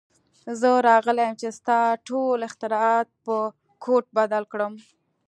زه راغلی یم چې ستا ټول اختراعات په کوډ بدل کړم